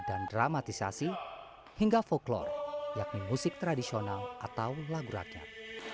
dramatisasi hingga foklore yakni musik tradisional atau lagu rakyat